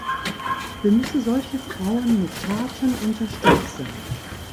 Wir müssen solche Frauen mit Taten unterstützen.